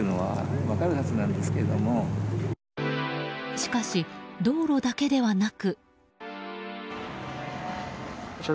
しかし道路だけではなく。